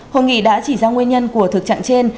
hội nghị đã chỉ ra nguyên nhân của thực trạng trên